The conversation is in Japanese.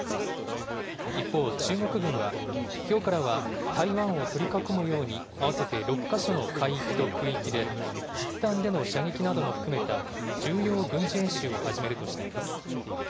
一方、中国軍はきょうからは台湾を取り囲むように合わせて６か所の海域と空域で実弾での射撃なども含めた重要軍事演習を始めるとしています。